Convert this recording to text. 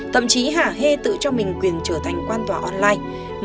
thậm chí hà hê tự cho mình quyền trở thành quan tòa online